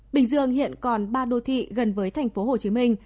bình dương hiện còn ba đô thị gần với thành phố hồ chí minh